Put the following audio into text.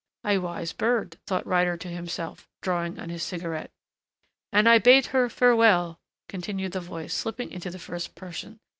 '" "A wise bird," thought Ryder to himself, drawing on his cigarette. "And I bade her farewell," continued the voice slipping into the first person.